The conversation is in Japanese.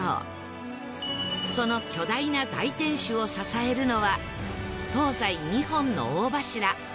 その巨大な大天守を支えるのは東西２本の大柱